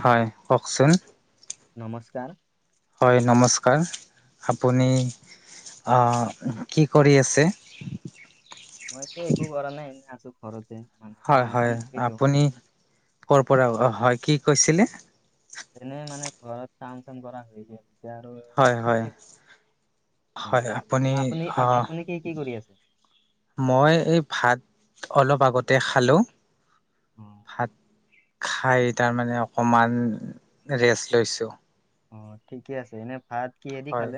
হয় কওকচোন নমস্কাৰ। হয়, নমস্কাৰ আপুনি আ আ উমহু, কি কৰি আছে? মইতো একো কৰা নাই এনেই আছো ঘৰতে মানে হয় কাম হয়, চাম কৰিলো আপুনি ক'ৰ পৰা হয় কি কৈছিলে? এনেই মানে ঘৰত কাম-চাম কৰা হৈ গেল। হয় হয়, হয় আ- আপুনি আ- হ আ- আপুনি কি কি কৰি আছে মই এই ভাত অলপ [unintelligible] বাগতে খালো অ ভাত খাই তাৰমানে অকমান ৰেষ্ট লৈছো। অ ঠিকেই আছে। এনে ভাত কিহেদি হয়, খালে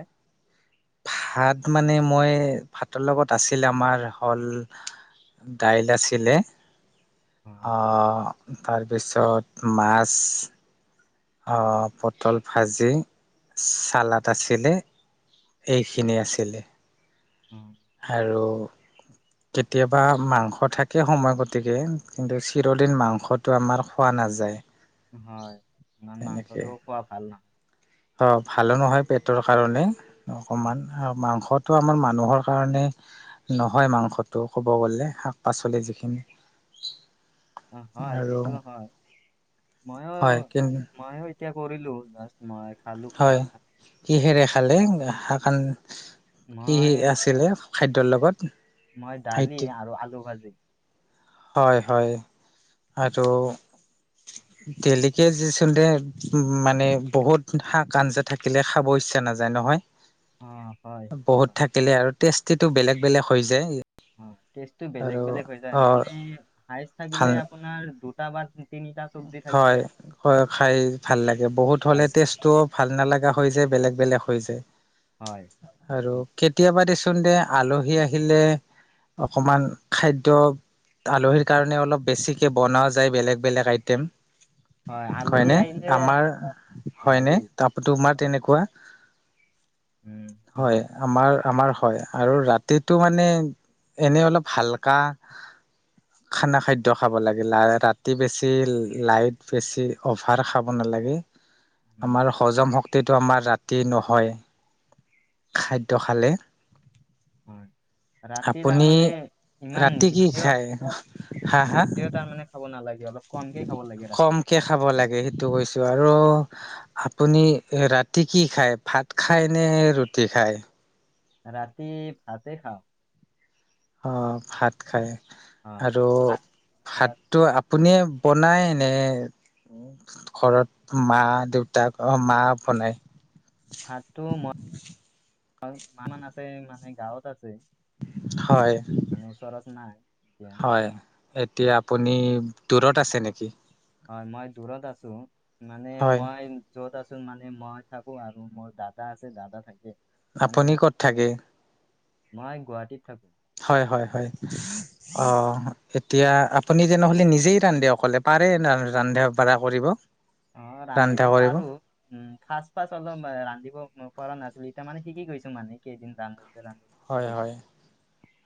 ভাত মানে মইয়ে ভাতৰ লগত আছিল আমাৰ হল ডাইল আছিলে [unintelligible] অ তাৰপিছত মাছ। [unintelligible] অঅঅ পটল ভাজি চালাড আছিলে। এইখিনি আছিলে। অ ঠিক আৰু কেতিয়াবা মাংস থাকে সময় গতিকে, কিন্তু চিৰদিন মাংসটো আমাৰ খোৱা নাই [unintelligible] না যায়। হয়, ইমান মাংসটোও খোৱা ভাল নহয়। অ ভালো নহয় পেটৰ কাৰণে অকমান অ আৰু মাংসত তো আমাৰ মানুহৰ কাৰণে নহয় মাংসটো ক'ব গ'লে শাক পাচলি যিখিনি [inaudible] অ হয় আৰু সেইটোও হয় ময়ো হয় কি ময়ো এতিয়া কৰিলো জাষ্ট মই খালো ভাত হয় ভাত কিহেৰে খালে শাকখন কি মই আছিলে খাদ্যৰ লগত মই ডালি আৰু আলু ভাজি। হয় হয়, আৰু তেলিকে যিচোন দে উম উম মানে বহুত শাক আঞ্জা থাকিলে খাবই পইচা নাযায় নহয়। অ হয়, সেইটোৱে বহুত হয়। থাকিলে আৰু টেষ্টিটো বেলেগ বেলেগ হৈ যায়। হয়, টেষ্টটো বেলেগ আৰু বেলেগ হৈ যায় অ মানে আইচ থাকিলে ভাল আপোনাৰ দুটা বা তিনি হয় হয়ও খাই ভাল লাগে বহুত হ'লে হায়েষ্ট টেষ্টটোও ভাল নালাগা হয় হৈ যে বেলেগ বেলেগ হৈ যায় হয় আৰু সেইটো কেতিয়াবা দেচোন দেচোন দে আলহী আহিলে অকমান খাদ্য আলহীৰ কাৰণে অলপ বেছিকে বনাও যায় বেলেগ বেলেগ আই টেম হয় আলহী হয়নে আহিলে আমাৰ হয়নে লাগেই তাৰপৰা তোমাৰ হয় তেনেকুৱা উম সেইটো হয়, আমাৰ আমাৰ হয় আৰু ৰাতিটো মানে এনেই অলপ হালকা আহ্ খানা-খাদ্য খাব লাগিলে আৰু ৰাতি বেছি ৰাতি লাইট বেছি অভাৰ খাব নালাগে উম আমাৰ হজম শক্ শক্তিটো আমাৰ ৰাতি নহয়, খাদ্য খালে। হয়। ৰাতি আপুনি তাৰমানে ইমান ৰাতি কি বেছিও খায় হা হা বেছি তাৰমানে খাব নালাগে। অলপ কমকে খাব লাগে ৰাতি। কমকে খাব লাগে সেইটো কৈছো আৰু আপুনি ৰাতি কি খায় ভাত খাই নে ৰু। টি খায়। ৰাতি ভাতে খাওঁ। অ' ভাত খাই হয় আৰু আ- ৰা- ভাতটো আপুনিয়ে বনায় নে। ঘৰত মা দেউতাক মা বনাই। ভাততো মই মা আছে মানে গাঁৱত আছে। হয় মানে ওচৰত নাই এতিয়া। হয় এতিয়া আপুনি দূৰত আছে নেকি? হয় মই দূৰত আছো, মানে হয় মই য'ত আছো মানে মই থাকো আৰু মোৰ দাদা আছে দাদা থাকে। মানে আপুনি ক'ত থাকে? মই গুৱাহাটীত থাকো। হয়, হয়, হয়। অ' এতিয়া আপুনি তেনেহ'লে নিজেই ৰান্ধে অকলে পাৰে ৰান্ধা বাঢ়া কৰিব। অ' ৰান্ধিব ৰান্ধা কৰিব পাৰো, উম ফাস্ট ফাস্ট অলপ ৰান্ধিব পৰা নাছিলো। মানে শিকি গৈছো মানে এইকেইদিন ৰান্ধি। হয়, হয়,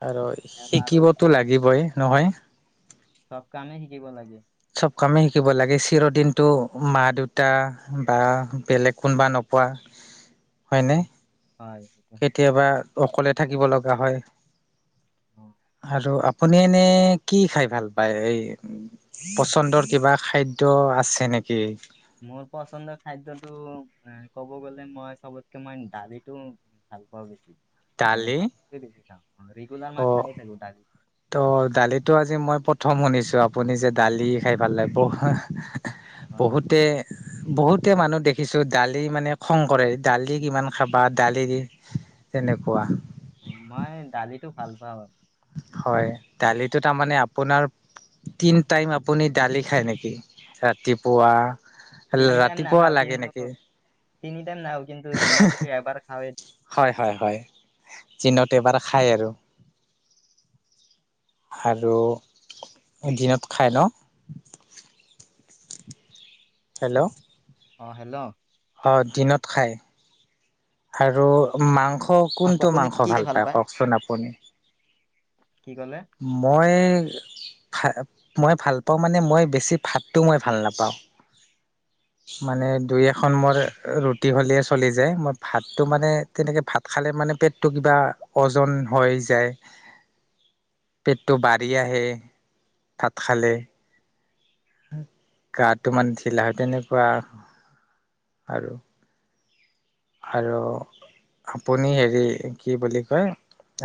আৰু এতিয়া পাৰো, শিকিবতো লাগিবই নহয়। চব কামেই শিকিব লাগে। চব কামেই শিকিব লাগে চিৰদিনটো মা দেউতা বা বেলেগ কোনোবা নো- পোৱা। হয়। হয়। কেতিয়াবা অকলে থাকিব লগা হয়। অ'। আৰু আপুনি এনে কি খাই ভাল পায় এই পচন্দৰ কিবা খাদ্য আছে নে? নেকি মোৰ পচন্দৰ খাদ্যটো এ ক'ব গলে মই চবতকে মই দালিটো ভাল পাও বেছি মানে দালি বেছি খাওঁ। ৰেগুলাৰ মই অ', খায়ে থাকো দালি। তো' দালিটো আজি মই প প্ৰথম শুনিছো আপুনি যে দালি খাই ভাল লাগে বহু অ'। বহুতে বহুতে মানুহ দেখিছো দালি মানে খং কৰে দালি কিমান খাবা দালি দি। তেনেকুৱা। মই দালিটো ভাল পাওঁ আৰু। হয়, দালিটো তাৰমানে আপোনাৰ তিন টাইম আপুনি দালি খায় নেকি? ৰাতিপুৱা তিনি টাইম ৰাতিপুৱা নাখাও, লাগে কিন্তু নেকি তিনি টাইম নাখাও, কিন্তু দিনত হ'লে এবাৰ খাওৱে। হয়, হয়, দিনত এবাৰ খায় আৰু। আৰু দিনত খাই ন? হেল্ল' অ'হেল্ল' অ'দিনত খাই। আৰু মাংস আপ কোনটো আপুনি মাংস কি কি ভাল খাই পায় কওকচোন আপুনি? কি ক'লে মই মই ভাল পাওঁ মানে মই বেছি ভাতটো মই ভাল নাপাওঁ। মানে দুই এখন মোৰ ৰুটি হ'লেই চলি যায়। মই ভাতটো মানে তেনেকৈ ভাত খালে মানে পেটটো কিবা ওজন হৈ যায়। [inaudible] পেটটো বাঢ়ি আহে ভাত খালে। গাটো মানে ঢিলা হয় তেনেকুৱা আৰু। আৰু আপুনি হেৰি কি বুলি কয়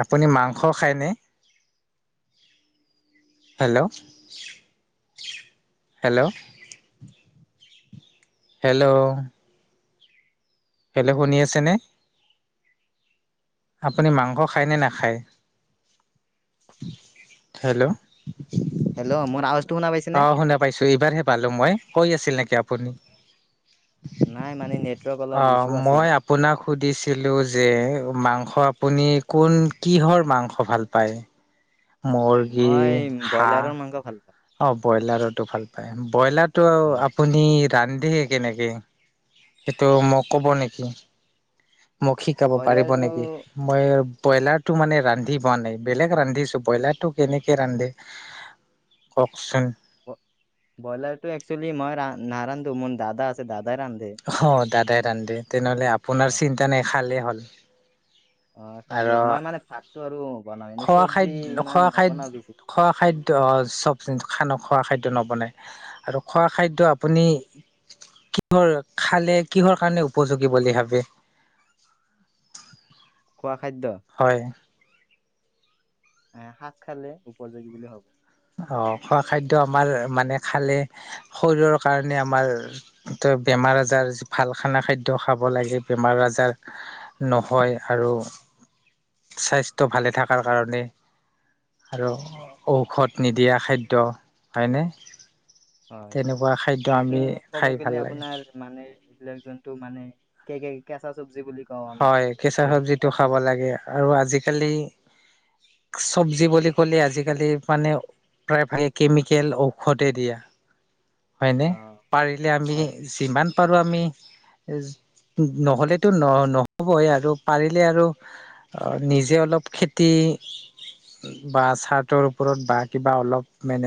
আপুনি মাংস খায়নে? [inaudible] Hello hello. হেল্ল'। বেলেগ শুনি আছে নে? আপুনি মাংস খায়নে নাখায়? হেল্ল' হেল্' মোৰ আৱা অ শুনা পাইছো এইবাৰহে পালো মই কৈ আছিল নেকি আপুনি? নাই মানে নেটৱৰ্ক অলপ অ ইছ্যু আছিল মই আপোনাক সুধিছিলো যে মাংস আপুনি কোন কিহৰ মাংস ভাল পায়। মুৰ্গী মই ব্ৰইলাৰৰ হাঁহ মাংস ভাল পাওঁ অ ব্ৰইলাৰতো ভাল পায়। ব্ৰইলাৰটো অ আপুনি ৰান্ধে কেনেকে? সেইটো মই কব নেকি? মোক শিকাব পাৰিব ব্ৰইলাৰটো নেকি? মই ব্ৰইলাৰটো মানে ৰান্ধি পোৱা নাই। বেলেগ ৰান্ধিছো ব্ৰইলাৰটো কেনেকে ৰান্ধে? কওকচুন। ব্ৰইলাৰটো একচেলি মই নাৰন্ধো মোৰ দাদা আছে দাদাই ৰান্ধে। অ দাদাই ৰান্দে তেনেহ'লে অ আপোনাৰ চিন্তা নাই খালেই হ'ল। অ খালি আৰু মই মানে ভাতটো আৰু বনাও, এনেই খোৱা চব্জি খাদ্য ইমান নবনাও বেছি। অ চব খান খোৱা খাদ্য নবনাই আৰু খোৱা খাদ্য আপুনি কিহৰ খালে কিহৰ কাৰণে উপযোগী বুলি ভাবে? [inaudible] খোৱা খাদ্য হয়। শাক খালে উপযোগী বুলি ভাবো। অ খোৱা খাদ্য আমাৰ মানে খালে শৰীৰৰ কাৰণে আমাৰ বেমাৰ আজাৰ ভাল খানা খাদ্য খাব লাগে বেমাৰ আজাৰ নহয় আৰু। [inaudible] স্বাস্থ্য ভালে থকাৰ কাৰণে আৰু ঔষধ নিদিয়া খাদ্য হয়নে। হয় তেনেকুৱা খাদ্য সেইটো আমি ক'ব খাই গলে ভাল লাগে। আপোনাৰ মানে এইবিলাক জন্তু মানে কে কেঁচা চব্জি বুলি ক হয় কেঁচা চব্জিতটো খাব লাগে আৰু আজিকালি চব্জি বুলি ক'লে আজিকালি মানে প্ৰায়ভাগে কেমিকেল ঔষধে দিয়া হয়নে অ পাৰিলে আমি হয় যিমান পাৰো আমি নহ'লেতো নহবৈ আৰু পাৰিলে আৰু নিজে অলপ খেতি বা চাৰটোৰ ওপৰত বা কিবা অলপ মে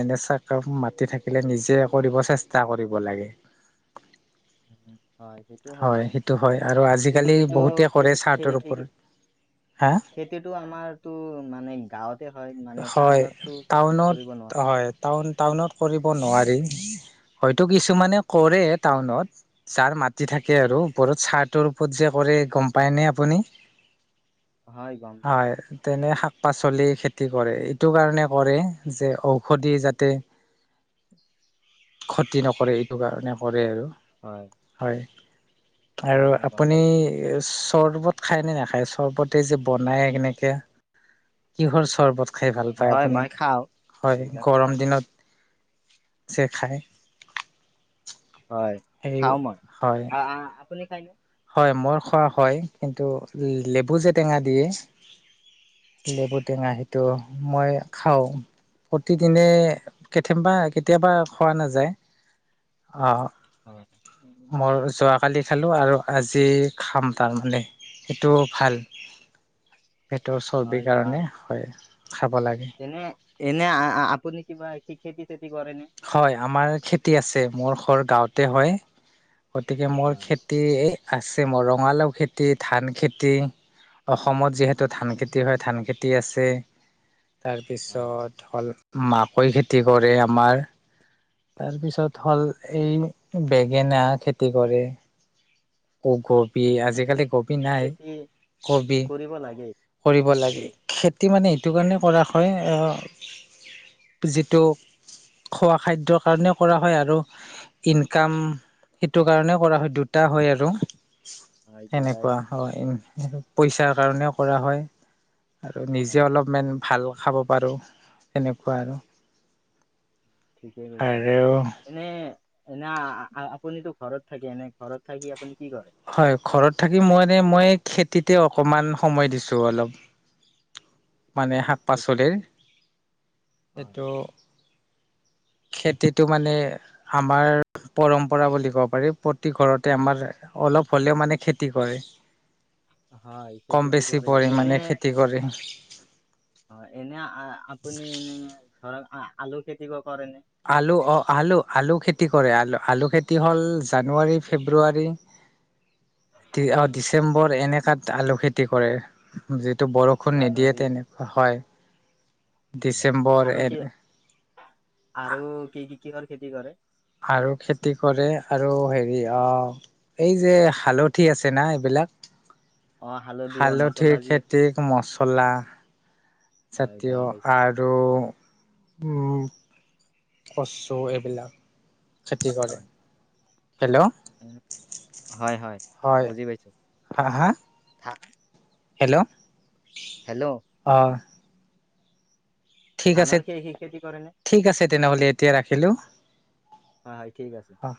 মাতি থাকিলে নিজে কৰিব চেষ্টা কৰিব লাগে। [inaudible] হয় সেইটো হয় সেইটো হয় আৰু কিন্তু আজিকালি বহুতে কৰে চাহটোৰ ওপৰত হা খেতিতটো আমাৰতো মানে গাঁৱতে হয় মানে টাউনতটো খেতি কৰিব নোৱাৰে হয় টাউনত টাউনত কৰিব নোৱাৰি, হয়তো কিছুমানে কৰে টাউনত যাৰ মাটি থাকে আৰু ওপৰত চাহটোৰ ওপৰত যে কৰে গম পায়নে আপুনি হয় গম পাওঁ হয় তেনে পাচলি খেতি কৰে এইটো কাৰণে কৰে যে ঔষধি যাতে ক্ষতি নকৰে এইটো কাৰণে কৰে আৰু হয় হয় হয় আৰু হয় গম আপুনি পাইছোঁ চৰ্বত খায় নে নাখায় চৰ্বতে যে বনায় কেনেকে, কিহৰ চৰ্বত খাই ভাল পায় হয় আপুনি মই খাওঁ হয়, এইবিলাকো হয় গৰম দিনত চে খায়। হয় সেই খাও মই, হয় আ আ আপুনি খাই নে হয় মোৰ খোৱা হয়, কিন্তু লেবু যে টেঙা দিয়ে লেবুটেঙা সেইটো মই খাওঁ প্ৰতিদিনে কেতিয়াবা কেতিয়াবা খোৱা নাযায়, আহ হয় মোৰ যোৱাকালি খালো আৰু আজি খাম তাৰমানে, সেইটো ভাল পেটৰ হয় চৰ্বিৰ ভাল কাৰণে হয় খাব লাগে। এনে এনে আ আ আপুনি কিবা খেতি-চেতি হয় আমাৰ খেতি আছে, মোৰ ঘৰ গাঁৱতে হয়। গতিকে মোৰ হয় খেতি এই আছে মোৰ ৰঙালাও খেতি ধান খেতি অসমত যিহেতু ধান খেতি হয়, ধান খেতি আছে। হয় তাৰপিছত হ'ল মাকৈ খেতি কৰে আমাৰ [inaudible] তাৰপিছত হ'ল, এই বেঙেনা খেতি কৰে। কবি হয় ভালে আজিকালি কবি নাই, খেতি কবি। কৰিব লাগে কৰিব লাগে খেতি মানে সেইটো কাৰণে কৰা হয়, যিটো খোৱা খাদ্যৰ কাৰণেও কৰা হয় আৰু ইনকাম সেইটো কাৰণে কৰা হয় দুটা হয় আৰু হয় দুটাই সেনেকুৱা হয় হয় পইচাৰ কাৰণেও কৰা হয় আৰু নিজে হয় অলপমান ভাল খাব পাৰো তেনেকুৱা আৰু ঠিকে কৈছা, আৰু এনে এনা আপুনিতো ঘৰত থাকে, এনে ঘৰত থাকি আপুনি কি কৰে হয় ঘৰত থাকি মই এনেই খেতিতে অকমান সময় দিছো অলপ মানে হয়, শাক খেতিটো -পাচলিৰ হয় এইটো খেতিটো মানে আমাৰ পৰম্পৰা বুলি ক'ব পাৰি প্ৰতি ঘৰতে আমাৰ, অলপ হলেও মানে খেতি কৰে। [inaudible] হয় কম খেতিটো বেছি কৰে পৰিমাণে খেতি কৰি। অঁ এনে এ আপুনি এনে ধৰক আঁ আলু খেতি কৰে। নে আলু, অঁ আলু, আলু খেতি, খেতি কৰে আলু, আলু খেতি হ'ল জানুৱাৰী, ফেব্ৰুৱাৰী, ডি অঁ হয় ডিচেম্বৰ এনেকাত আলু খেতি কৰে। যি, টো বৰষুণ নিদিয়ে জানুৱাৰীত তেনেকুৱা হয়। হয় ডিচেম্বৰ আৰু কি এন। আৰু কি কি কিহৰ খেতি কৰে। আৰু খেতি কৰে আৰু হেৰি এই যে হালধি আছে না এইবিলাক অ হালধি অ মছলা হালধিৰ যি খেতিক মচলা হয় জাতীয় গম পাইছো আৰু উম কচু এইবিলাক খেতি কৰে। হয় হয় হেল্ল' এনে- হয় হয় বুজি পাইছো হাঁ হাঁ। থা- হেল্ল', হেল্ল', অ' ঠিক আছে ধানৰ খে খেতি কৰে নে ঠিক আছে তেনেহ'লে এতিয়া ৰাখিলোঁ হ হয় ঠিক আছে। অ'।